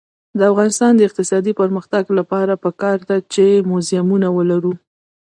د افغانستان د اقتصادي پرمختګ لپاره پکار ده چې موزیمونه ولرو.